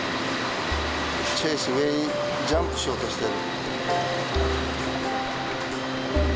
チェイス上にジャンプしようとしている。